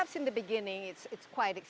mungkin pada awal ini cukup mahal